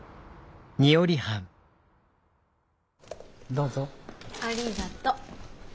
どうぞ。ありがと。